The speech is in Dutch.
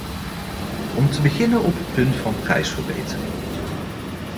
Om te beginnen op het punt van prijsverbetering.